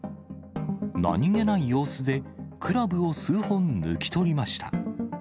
何気ない様子で、クラブを数本抜き取りました。